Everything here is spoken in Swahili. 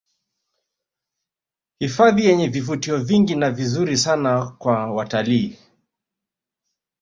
Hifadhi yenye vivutio vingi na vizuri sana kwa watalii